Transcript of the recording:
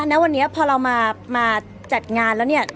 แล้ววันนี้พอเรามาจัดงานแล้ว